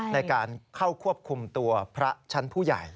ในการเข้าควบคุมตัวพระชั้นผู้ใหญ่